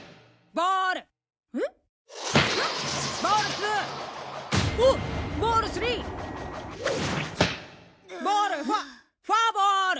ボールフォアフォアボール！